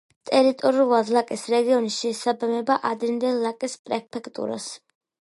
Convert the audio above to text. ტერიტორიულად ლაკის რეგიონი შეესაბამება ადრინდელ ლაკის პრეფექტურას.